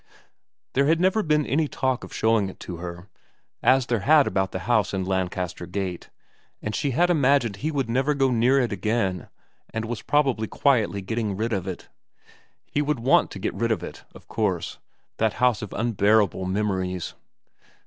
There had never been any talk of showing it to her, as there had about the house in Lancaster Gate, and she had imagined he would never go near it again and was probably quietly getting rid of it. He would want to get rid of it, of course, that house of unbearable memories.